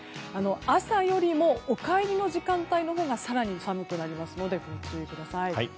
朝よりもお帰りの時間帯のほうが更に寒くなりますのでご注意ください。